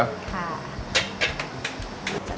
ค่ะ